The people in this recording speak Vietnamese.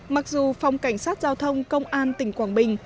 mặc dù phòng cảnh sát giao thông công an tỉnh quảng bình